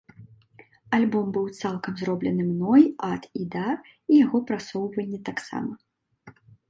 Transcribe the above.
Альбом быў цалкам зроблены мной ад і да, і яго прасоўванне таксама.